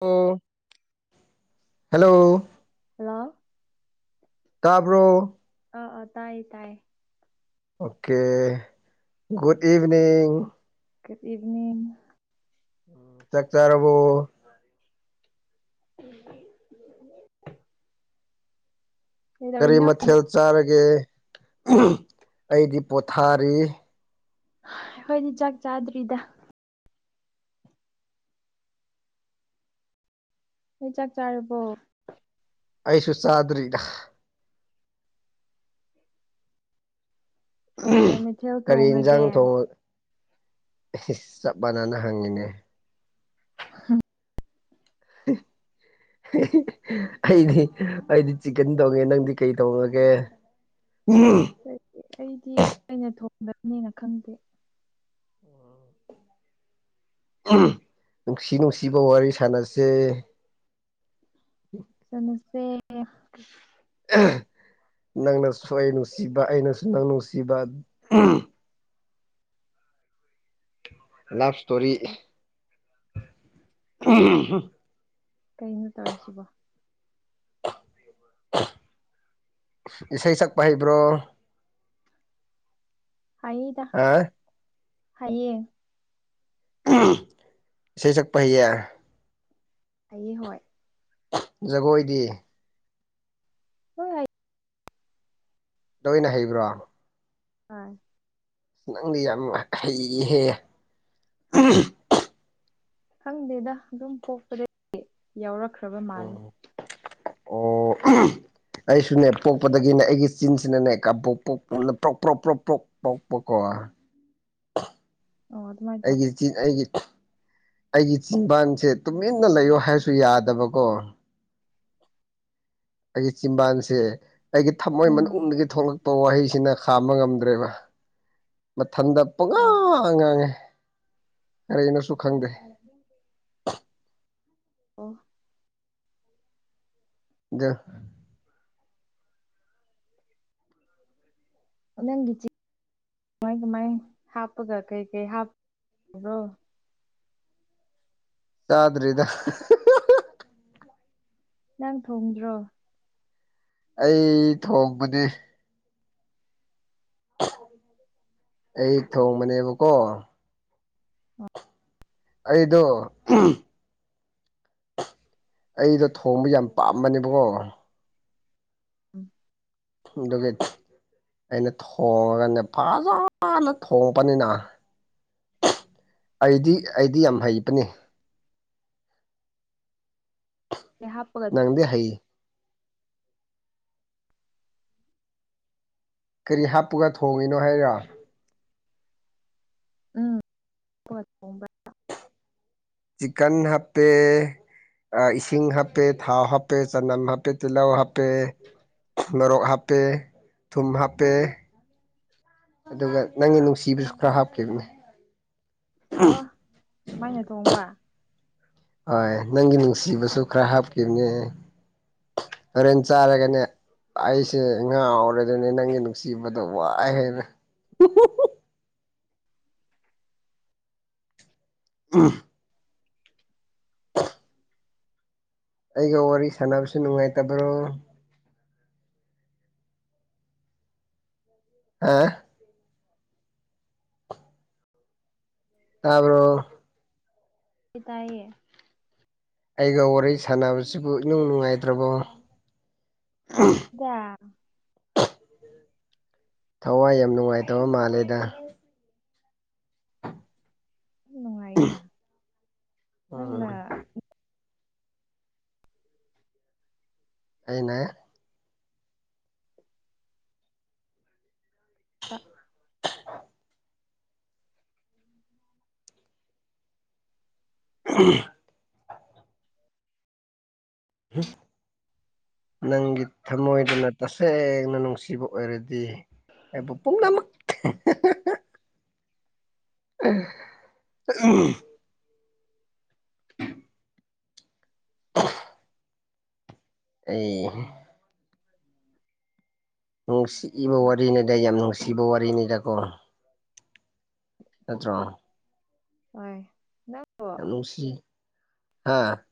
ꯑꯣ hello. Hello. ꯇꯥꯕ꯭ꯔ‌ꯣ꯫ ꯑ ꯑ ꯇꯥꯏ ꯇꯥꯏ꯫ Okay good evening. Good evening. ꯆꯥꯛ ꯆꯥꯔꯕ‌ꯣ꯫ [unintelligible] ꯀꯔꯤ ꯀꯩꯗꯧꯔꯤꯅꯣ ꯃꯊꯦꯜ ꯆꯥꯔꯒꯦ ꯑꯩꯗꯤ ꯄꯣꯊꯥꯔꯤ꯫ ꯑꯩꯈꯣꯏꯗꯤ ꯆꯥꯛ ꯆꯥꯗ꯭ꯔꯤꯗ꯫ ꯅ‌ꯣꯏ ꯆꯥꯛ ꯆꯥꯔꯕꯣ꯫ ꯑꯩꯁꯨꯨ ꯆꯥꯗ꯭ꯔꯤꯗ꯫ ꯀꯩ ꯃꯊꯦꯜ ꯀꯔꯤ ꯏꯟꯖꯥꯡ ꯊꯣꯡꯉꯒꯦ ꯊꯣꯡ ꯆꯞ ꯃꯥꯟꯅꯅ ꯍꯪꯉꯤꯅꯦ꯫ [unintelligible] ꯍ꯫ ꯑꯩꯗꯤ ꯑꯩꯗꯤ ꯆꯤꯛꯀꯟ ꯊ‌ꯣꯡꯉꯦ ꯅꯪꯗꯤ ꯀꯩ ꯊ‌ꯣꯡꯉꯒꯦ꯫ [unintelligible] ꯑꯩꯗꯤ ꯑꯩꯅ ꯊꯣꯡꯗꯕꯅꯤꯅ ꯈꯪꯗꯦ꯫ ꯅꯨꯡꯁꯤ ꯅꯨꯡꯁꯤꯕ ꯋꯥꯔꯤ ꯁꯥꯟꯅꯁ‌ꯦ꯫ ꯁꯥꯟꯅꯁ‌ꯦ꯫ ꯅꯪꯅꯁꯨ ꯑꯩ ꯅꯨꯡꯁꯤꯕ ꯑꯩꯅꯁꯨ ꯅꯪ ꯅꯨꯡꯁꯤꯕ꯫ Love story. ꯀꯩꯅꯣ ꯇꯧꯔꯤꯁꯤꯕꯣ꯫ ꯏꯁꯩ ꯁꯛꯄ ꯍꯩꯕ꯭ꯔꯣ꯫ ꯍꯩꯗ ꯑ ꯍꯩꯌꯦ꯫ ꯏꯁꯩ ꯁꯛꯄ ꯍꯩꯌꯦ꯫ ꯍꯩꯌꯦ ꯍꯣꯏ꯫ ꯖꯒꯣꯏꯗꯤ꯫ [unintelligible] ꯂꯣꯏꯅ ꯍꯩꯕ꯭ꯔꯣ꯫ ꯍꯣꯏ꯫ ꯅꯪꯗꯤ ꯌꯥꯝ ꯍꯩꯍꯦ꯫ ꯈꯪꯗꯦꯗ ꯑꯗꯨꯝ ꯄꯣꯛꯄꯗꯒꯤ ꯌꯥꯎꯔꯛꯈ꯭ꯔꯕ ꯃꯥꯜꯂꯦ꯫ ꯎꯝ ꯑꯣ꯫ ꯑꯩꯁꯨꯅꯦ ꯄꯣꯛꯄꯗꯒꯤꯅꯦ ꯑꯩꯒꯤ ꯆꯤꯟꯁꯤꯅꯅꯦ ꯀꯕ‌ꯣꯛ ꯄꯣꯛꯒꯨꯝꯅ ꯄ꯭ꯔꯣꯛ ꯄ꯭ꯔꯣꯛ ꯄ꯭ꯔꯣꯛ ꯄ꯭ꯔꯣꯛ ꯄꯣꯛꯄꯀꯣ꯫ ꯑꯣ ꯑꯗꯨꯃꯥꯏ ꯑꯩꯒꯤ ꯆꯤꯟ ꯑꯩꯒꯤ ꯑꯩꯒꯤ ꯆꯤꯟꯕꯥꯟꯁꯦ ꯇꯨꯃꯤꯟꯅ ꯂꯩꯌꯨ ꯍꯥꯏꯔꯁꯨ ꯌꯥꯗꯕꯀꯣ꯫ ꯑꯩꯒꯤ ꯆꯤꯝꯕꯥꯟꯁꯦ ꯑꯩꯒꯤ ꯊꯃꯣꯏ ꯎꯝ ꯃꯅꯨꯡꯗꯒꯤ ꯊꯣꯛꯂꯛꯄ ꯋꯥꯍꯩꯁꯤꯅ꯫ ꯈꯥꯝꯕ ꯉꯝꯗ꯭ꯔꯦꯕ ꯃꯊꯟꯗ ꯑꯣ ꯄꯉꯥꯡ ꯉꯥꯡꯉꯦ ꯀꯔꯤꯅꯣꯁꯨ ꯈꯪꯗꯦ ꯑꯣ ꯑꯗꯨ ꯅꯪꯒꯤ ꯆ ꯀꯃꯥꯏ ꯀꯃꯥꯏ ꯍꯥꯞꯄꯒ ꯀꯩ ꯀꯩ ꯍꯥꯞꯕ꯭ꯔꯣ ꯆꯗ꯭ꯔꯔꯤꯗ ꯅꯪ ꯊꯣꯡꯗ꯭ꯔꯣ ꯑꯩ ꯊꯣꯡꯕꯅꯦ ꯑꯩ ꯊꯣꯡꯕꯅꯦꯕꯀꯣ ꯑꯩꯗꯨ ꯑꯩꯗꯣ ꯊꯣꯡꯕ ꯌꯥꯝ ꯄꯥꯝꯕꯅꯦꯕꯀꯣ ꯎꯝ ꯗꯒꯦ ꯑꯩꯅ ꯊꯣꯡꯉꯒꯅꯦ ꯐꯖꯅ ꯊꯣꯡꯉꯛꯄꯅꯤꯅ ꯑꯩꯗꯤ ꯑꯩꯗꯤ ꯌꯥꯝ ꯍꯩꯕꯅꯤ ꯌꯥ ꯄꯨ ꯅꯪꯗꯤ ꯍꯥꯏꯌꯦ ꯀꯔꯤ ꯍꯥꯞꯄꯒ ꯊꯣꯡꯉꯤꯅꯣ ꯍꯥꯏꯔꯣ ꯎꯝ [unintelligible] ꯆꯤꯀꯟ ꯍꯥꯞꯄꯦ ꯏꯁꯤꯡ ꯍꯥꯞꯄꯦ ꯊꯥꯎ ꯍꯥꯞꯄꯦ ꯆꯅꯝ ꯍꯥꯞꯄꯦ ꯇꯤꯜꯍꯧ ꯍꯥꯞꯄꯦ ꯃꯣꯔꯣꯛ ꯍꯥꯞꯄꯦ ꯊꯨꯝ ꯍꯥꯞꯄꯦ ꯑꯗꯨꯒ ꯅꯪꯒꯤ ꯅꯨꯡꯁꯤꯕꯁꯨ ꯈꯔ ꯍꯥꯞꯈꯤꯕꯅꯦ ꯑꯣ ꯀꯃꯥꯏꯅ ꯇꯣꯡꯕ ꯍꯣꯏ ꯅꯪꯒꯤ ꯅꯨꯡꯁꯤꯕꯁꯨ ꯈꯔ ꯍꯥꯞꯈꯤꯕꯅꯦ ꯍꯣꯔꯦꯟ ꯆꯥꯔꯒꯅꯦ ꯑꯩꯁꯦ ꯉꯥꯥꯎꯔꯦ ꯑꯗꯨꯅꯦ ꯅꯪꯒꯤ ꯅꯨꯡꯁꯤꯕꯗ ꯋꯥꯏ ꯍꯥꯏꯔ ꯎꯝ ꯑꯩꯒ ꯋꯥꯔꯤ ꯁꯥꯟꯅꯕꯁꯨ ꯅꯨꯡꯉꯥꯏꯇꯕ꯭ꯔꯣ ꯑ ꯇꯥꯕꯔꯣ ꯄ ꯇꯥꯏꯌꯦ ꯑꯩꯒ ꯋꯥꯔꯤ ꯁꯥꯟꯅꯕꯁꯤꯕꯨ ꯏꯅꯨꯡ ꯅꯨꯡꯉꯥꯏꯇ꯭ꯔꯕꯣ ꯌꯥ ꯊꯋꯥꯏ ꯌꯥꯝ ꯅꯨꯡꯉꯥꯏꯇꯕ ꯃꯥꯜꯂꯦꯗ ꯅꯨꯡꯉꯥꯏꯅ ꯅꯪꯅ ꯎꯝ ꯑꯩꯅ ꯑ ꯎ [unintelligible] ꯎ ꯅꯪꯒꯤ ꯊꯃꯣꯏꯗꯅ ꯇꯁꯦꯡꯅ ꯅꯨꯡꯁꯤꯕ ꯑꯣꯏꯔꯗꯤ ꯑꯩꯕꯨ ꯄꯨꯝꯅꯃꯛ ꯎ ꯎꯝ [inaudible] ꯑꯩ ꯅꯨꯡꯁꯤꯏꯕ ꯋꯥꯔꯤꯅꯤꯗ ꯌꯥꯝ ꯅꯨꯡꯁꯤꯕ ꯋꯥꯔꯤꯅꯤꯗꯀꯣ ꯅꯠꯇ꯭ꯔꯣ ꯍꯣꯏ [unintelligible]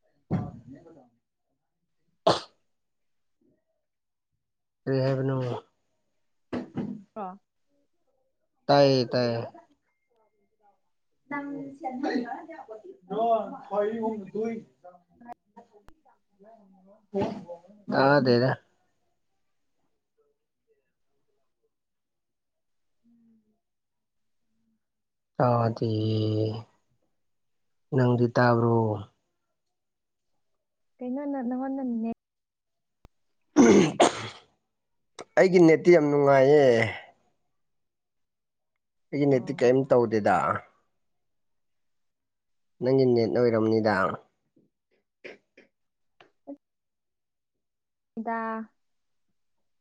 [inaudible] ꯀꯔꯤ ꯍꯥꯏꯕꯅꯣ? [unintelligible] ꯇꯥꯏꯌꯦ ꯇꯥꯏꯌꯦ [unintelligible] ꯇꯥꯗꯦꯗ [unintelligible] [inaudible] ꯇꯥꯗꯤꯌꯦ, ꯅꯪꯗꯤ ꯇꯥꯕ꯭ꯔꯣ? [unintelligible] ꯑꯩꯒꯤ ꯅꯦꯠꯇꯤ ꯌꯥꯝ ꯅꯨꯡꯉꯥꯏꯌꯦ꯫ ꯑꯩꯒꯤ ꯅꯠꯇꯤ ꯑꯣ ꯀꯌꯤꯝ ꯇꯧꯗꯦꯗ꯫ ꯅꯪꯒꯤ ꯅꯦꯠꯅ ꯑꯣꯏꯔꯝꯕꯅꯤꯗ꯫ ꯗ [unintelligible]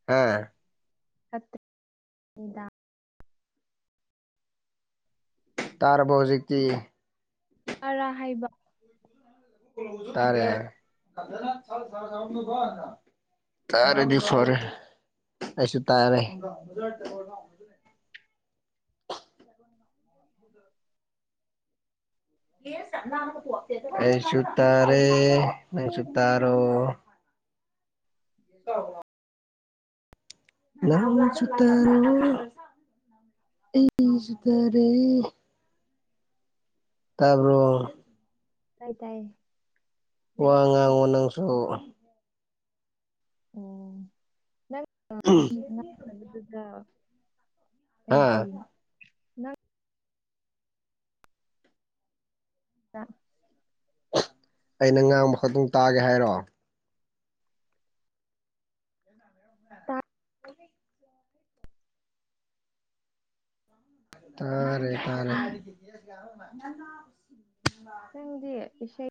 ꯍꯥ ꯍꯠꯇ [unintelligible] ꯇꯥꯔꯕꯣ ꯍꯨꯖꯤꯛꯇꯤ? ꯇꯔꯥ ꯍꯥꯏꯕ꯫ ꯇꯥꯔꯦ, ꯇꯥꯔꯗꯤ ꯐꯔꯦ ꯑꯩꯁꯨ ꯇꯥꯔꯦ ꯑꯩꯁꯨ ꯇꯔꯦ ꯅꯪꯁꯨ ꯇꯥꯔꯣ꯫ [unintelligible] ꯅꯪꯁꯨ ꯇꯔꯣ, ꯑꯩꯁꯨ ꯇꯔꯦ꯫ ꯇꯥꯕ꯭ꯔꯣ? ꯇꯥꯏ ꯇꯥꯏꯌꯦ꯫ ꯋꯥ ꯉꯥꯡꯉꯣ ꯅꯪꯁꯨ ꯑꯣꯝ [unintelligible] ꯍꯥ ꯑꯩꯗꯤ ꯗ [unintelligible] ꯑꯩꯅ ꯉꯥꯡꯕ ꯈꯛꯇꯪ ꯇꯥꯒꯦ ꯍꯥꯏꯔꯣ? ꯇꯥ [unintelligible] ꯇꯥꯔꯦ ꯇꯥꯔꯦ꯫ ꯅꯪꯗꯤ ꯏꯁꯩ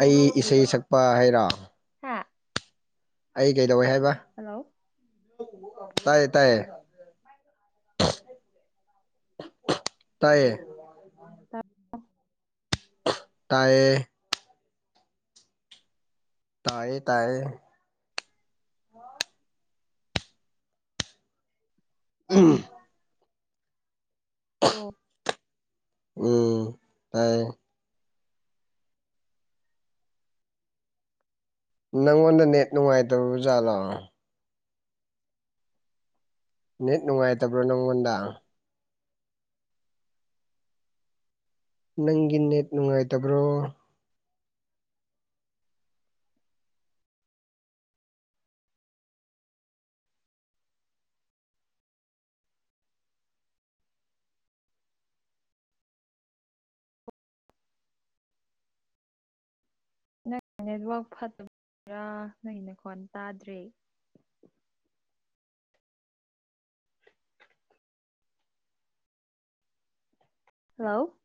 ꯑꯩ ꯏꯁꯩ ꯁꯛꯄ ꯍꯥꯏꯔꯣ? ꯍꯥꯥ ꯑꯩ ꯀꯩꯗꯧꯋꯦ ꯍꯥꯏꯕ? ꯍꯜꯂꯣ! ꯇꯌꯦ ꯇꯌꯦ꯫ ꯇꯥꯏꯌꯦ꯫ ꯇꯥꯏꯌꯦ ꯇꯌꯦ ꯇꯌꯦ ꯑꯝ ꯇꯥꯕ꯭ꯔꯣ ꯎꯝ ꯇꯥꯏꯌꯦ꯫ ꯅꯪꯉꯣꯟꯗ ꯅꯦꯠ ꯅꯨꯡꯉꯥꯏꯇꯕ ꯖꯥꯠꯂꯣ? ꯅꯦꯠ ꯅꯨꯡꯉꯥꯏꯇꯕ꯭ꯔꯥ ꯅꯪꯉꯣꯟꯗ? ꯅꯪꯒꯤ ꯅꯦꯠ ꯅꯨꯡꯉꯥꯏꯇꯕ꯭ꯔꯣ ꯅꯪ ꯅꯦꯠꯋꯥꯛ ꯐꯠꯇꯕ [inaudible] ꯔꯥ ꯅꯪꯒꯤ ꯅꯈꯣꯟ ꯇꯥꯗ꯭ꯔꯦ꯫ ꯍꯜꯂꯣ꯫